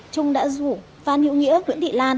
trung đã rủ phan hữu nghĩa nguyễn thị lan